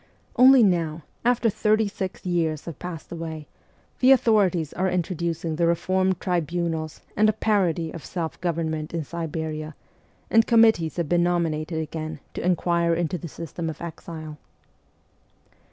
Only now, after thirty six years have passed away, the authorities are introducing the reformed tribunals and a parody of self government in Siberia, and committees have been nominated again to inquire into the system of exile.